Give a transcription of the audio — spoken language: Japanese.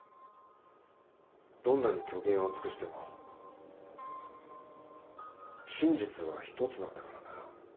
どんなに虚言を尽くしても真実は１つなんだからな。